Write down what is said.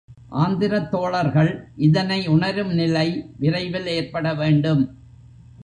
ஆந்திரத் தோழர்கள் இதனை உணரும் நிலை விரைவில் ஏற்பட வேண்டும்.